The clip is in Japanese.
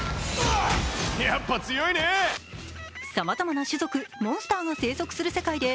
さまざまな種族、モンスターの生息する世界で